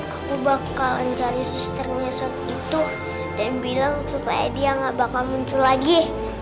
aku bakalan cari suster mesot itu dan bilang supaya dia gak bakal muncul lagi